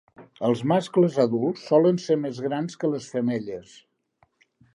Els mascles adults solen ser més grans que les femelles.